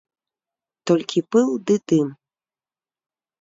Толькі пыл ды дым.